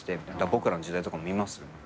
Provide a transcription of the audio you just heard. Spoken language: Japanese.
『ボクらの時代』とかも見ます。